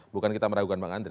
bukan kita meragukan bang andre